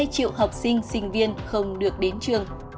chín hai mươi hai triệu học sinh sinh viên không được đến trường